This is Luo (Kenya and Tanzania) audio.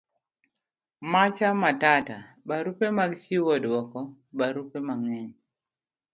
Macho Matata. barupe mag chiwo duoko. barupe mang'eny